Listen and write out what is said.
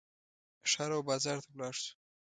ښار او بازار ته ولاړ شو.